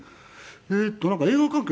「えーっとなんか映画関係の仕事」。